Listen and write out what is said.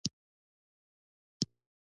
پوی شو چې زما طبعه خټه ده.